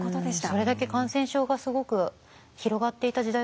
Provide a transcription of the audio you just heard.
それだけ感染症がすごく広がっていた時代だったんですね。